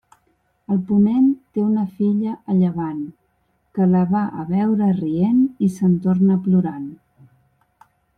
El ponent té una filla a llevant, que la va a veure rient i se'n torna plorant.